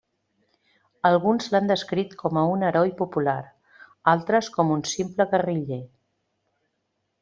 Alguns l'han descrit com a un heroi popular, altres com un simple guerriller.